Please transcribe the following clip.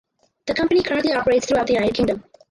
The company currently operates throughout the United Kingdom.